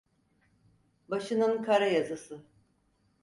Başının kara yazısı!